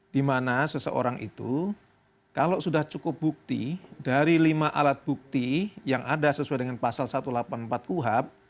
dimana seseorang itu kalau sudah cukup bukti dari lima alat bukti yang ada sesuai dengan pasal satu ratus delapan puluh empat kuhap